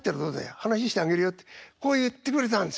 話してあげるよ」ってこう言ってくれたんです。